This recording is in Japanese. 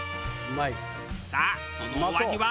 さあそのお味は？